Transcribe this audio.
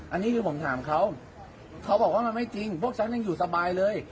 อันนี้คือผมถามเขาเขาบอกว่ามันไม่จริงพวกฉันยังอยู่สบายเลย